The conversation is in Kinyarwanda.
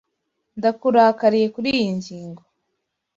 Ndakurakariye kuriyi ngingo.